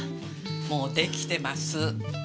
もう出来てます。